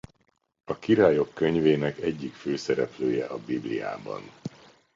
A Királyok Könyvének egyik főszereplője a Bibliában.